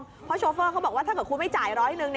เพราะโชเฟอร์เขาบอกว่าถ้าเกิดคุณไม่จ่ายร้อยหนึ่ง